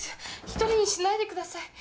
一人にしないでください」